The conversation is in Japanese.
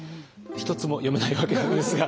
一つも読めないわけなんですが。